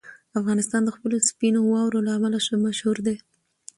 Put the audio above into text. افغانستان د خپلو سپینو واورو له امله مشهور دی.